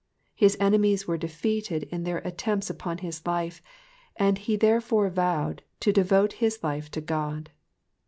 '''' His enemies were defeated in their attempts upon his life, and therefore he vowed to devote his life to God.